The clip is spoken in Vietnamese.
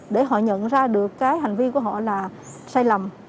để họ nhận ra được cái hành vi của họ là sai lầm